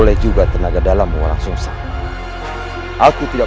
hidup adem walang sungsang